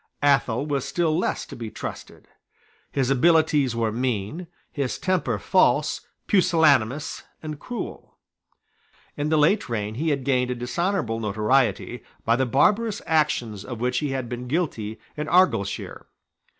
Athol was still less to be trusted. His abilities were mean, his temper false, pusillanimous, and cruel. In the late reign he had gained a dishonourable notoriety by the barbarous actions of which he had been guilty in Argyleshire.